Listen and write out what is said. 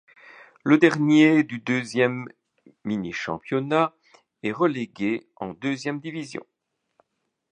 Le dernier du deuxième mini-championnat est relégué en deuxième division.